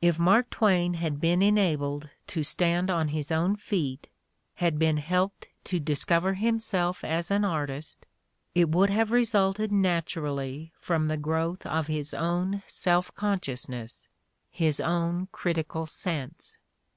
If Mark Twain had been enabled to stand on his own feet, had been helped to discover him self as an artist, it would have resulted naturally from the growth of his own self consciousness, his own criti cal sense.